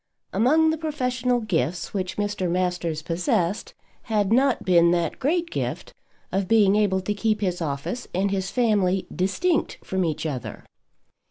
Among the professional gifts which Mr. Masters possessed, had not been that great gift of being able to keep his office and his family distinct from each other.